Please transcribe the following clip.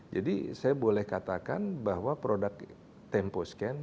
jadi saya boleh katakan bahwa produk temposcan